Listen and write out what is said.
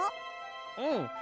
うん。